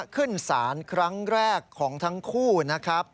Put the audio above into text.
ขึ้นศาลครั้งแรกของทั้งคู่นะครับ